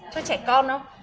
cho trẻ con không